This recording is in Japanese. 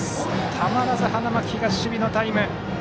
たまらず花巻東、守備のタイム。